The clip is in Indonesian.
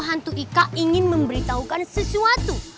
hantu ika ingin memberitahukan sesuatu